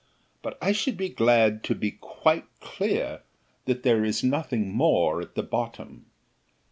But I should be glad to be quite clear that there is nothing more at the bottom."